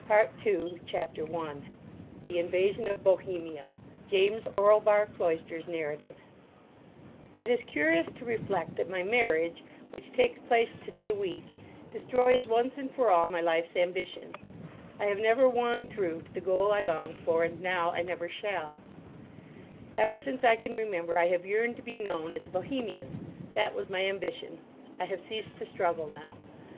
_ PART TWO James Orlebar Cloyster's Narrative CHAPTER 1 THE INVASION OF BOHEMIA It is curious to reflect that my marriage (which takes place today week) destroys once and for all my life's ambition. I have never won through to the goal I longed for, and now I never shall. Ever since I can remember I have yearned to be known as a Bohemian. That was my ambition. I have ceased to struggle now.